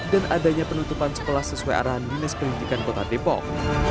dan adanya penutupan sekolah sesuai arahan dinas pelijikan kota depok